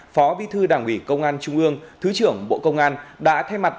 phó bí thư đảng ủy công an trung ương thứ trưởng bộ công an đã thay mặt